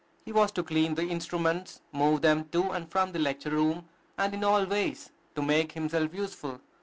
He was to clean the instruments, move them to and from the lecture room, and in all ways to make himself useful.